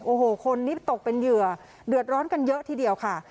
โอ้โหคนนี้ตกเป็นเหยื่อเดือดร้อนกันเยอะทีเดียวค่ะ